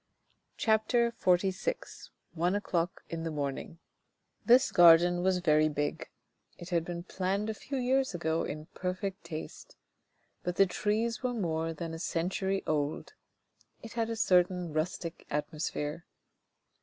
CHAPTER XLVI ONE O'CLOCK IN THE MORNING This garden was very big, it had been planned a few years ago in perfect taste. But the trees were more than a century old. It had a certain rustic atmosphere.